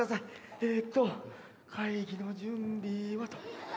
えっと会議の準備はと。